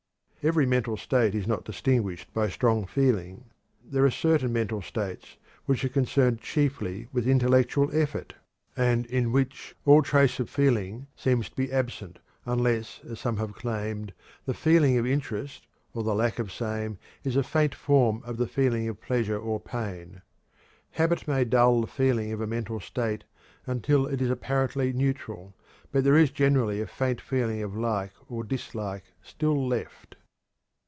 Every mental state is not distinguished by strong feeling. There are certain mental states which are concerned chiefly with intellectual effort, and in which all trace of feeling seems to be absent, unless, as some have claimed, the "feeling" of interest or the lack of same is a faint form of the feeling of pleasure or pain. Habit may dull the feeling of a mental state until it is apparently neutral, but there is generally a faint feeling of like or dislike still left.